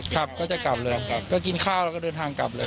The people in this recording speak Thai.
ครับก็จะกลับเลยก็กินข้าวแล้วก็เดินทางกลับเลย